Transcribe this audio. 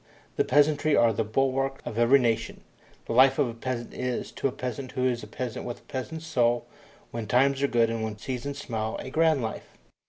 The peasantry are the bulwarks of every nation. The life of a peasant is, to a peasant who is a peasant with a peasant's soul, when times are good and when seasons smile, a grand life.